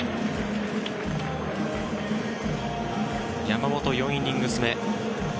山本、４イニングス目。